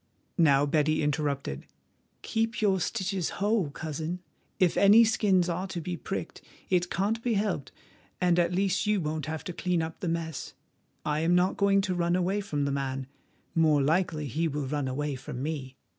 Now Betty interrupted: "Keep your stitches whole, Cousin; if any skins are to be pricked it can't be helped, and at least you won't have to wipe up the mess. I am not going to run away from the man, more likely he will run away from me.